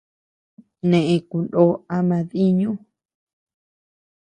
Nee kunoo ama diiñu.